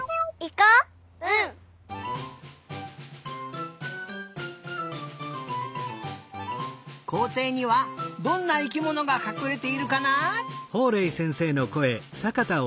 こうていにはどんな生きものがかくれているかな？